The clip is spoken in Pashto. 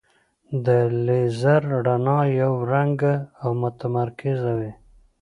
د لیزر رڼا یو رنګه او متمرکزه وي.